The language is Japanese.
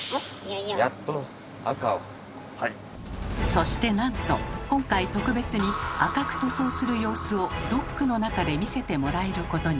そしてなんと今回特別に赤く塗装する様子をドックの中で見せてもらえることに。